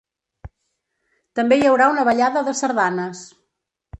També hi haurà una ballada de sardanes.